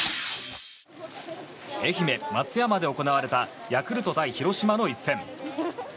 愛媛・松山で行われたヤクルト対広島の一戦。